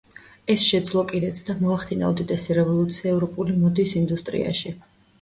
ეს შეძლო კიდეც და მოახდინა უდიდესი რევოლუცია ევროპული მოდის ინდუსტრიაში.